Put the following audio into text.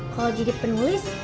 kalau jadi penulis